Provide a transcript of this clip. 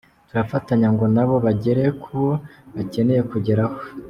Turafatanya ngo na bo bagere kubo bakeneye kugeraho.